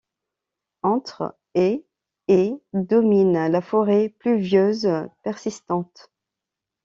Entre et et domine la forêt pluvieuse persistante.